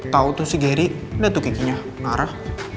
tau tuh si gary nih tuh kikinya ngarah